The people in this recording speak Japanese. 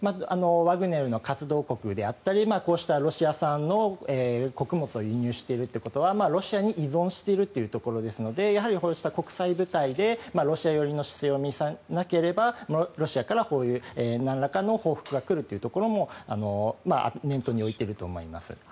ワグネルの活動国であったりこうしたロシア産の穀物を輸入しているということはロシアに依存しているというところですのでやはりこうした国際舞台でロシア寄りの姿勢を見せなければロシアからなんらかの報復が来るというところも念頭に置いていると思います。